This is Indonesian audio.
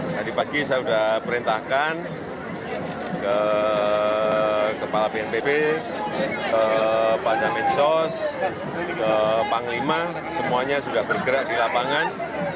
tadi pagi saya sudah perintahkan ke kepala bnpb kepada medsos ke panglima semuanya sudah bergerak di lapangan